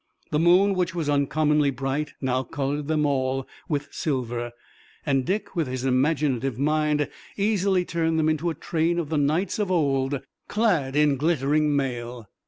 The moon which was uncommonly bright now colored them all with silver, and Dick, with his imaginative mind, easily turned them into a train of the knights of old, clad in glittering mail.